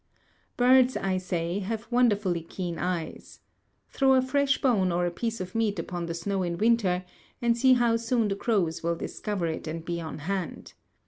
Birds, I say, have wonderfully keen eyes. Throw a fresh bone or a piece of meat upon the snow in winter, and see how soon the crows will discover it and be on hand.